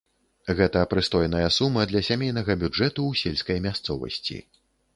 Гэта прыстойная сума для сямейнага бюджэту ў сельскай мясцовасці.